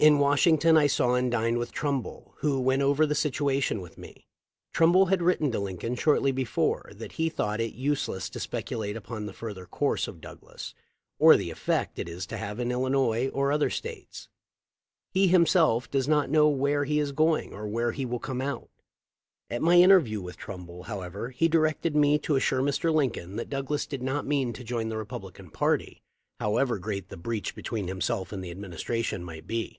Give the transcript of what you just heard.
In Washington I saw and dined with Trumbull, who went over the situation with me. Trumbull had written to Lincoln shortly before* that he thought it "useless to speculate upon the further course of Douglas or the effect it is to have in Illinois or other States. He himself does not know where he is going or where he will come out." At my inter view with Trumbull, however, he directed me to ♦Letter, December 25, 1857, MS. THE LIFE OF LIXCOLX. 393 assure Air. Lincoln that Douglas did not mean to join the Republican party, however great the breach between himself and the administration might be.